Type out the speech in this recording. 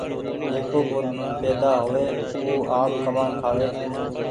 جيڪو پيدآ هووي او آپ ڪمآن کآئي۔